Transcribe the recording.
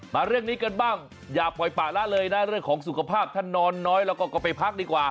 มาเรื่องนี้กันบ้างอย่าปล่อยป่าละเลยนะเรื่องของสุขภาพถ้านอนน้อยแล้วก็ไปพักดีกว่า